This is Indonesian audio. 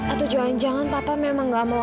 atau jangan jangan papa memang gak mau